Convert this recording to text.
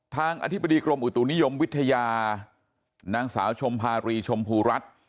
อธิบดีกรมอุตุนิยมวิทยานางสาวชมภารีชมพูรัฐ